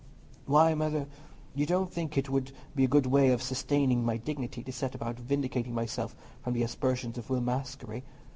"Why, Mother, you don't think it would be a good way of sustaining my dignity to set about vindicating myself from the aspersions of Will Maskery?